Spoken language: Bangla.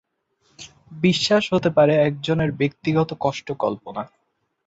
বিশ্বাস হতে পারে একজনের ব্যক্তিগত কষ্ট কল্পনা।